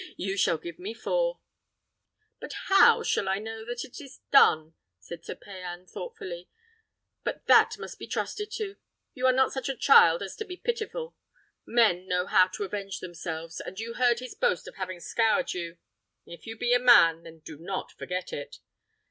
you shall give me four." "But how shall I know that it is done?" said Sir Payan, thoughtfully. "But that must be trusted to. You are not such a child as to be pitiful. Men know how to avenge themselves, and you heard his boast of having scourged you. If you be a man, then do not forget it."